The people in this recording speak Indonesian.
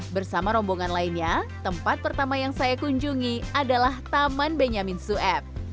bersama rombongan lainnya tempat pertama yang saya kunjungi adalah taman benyamin sueb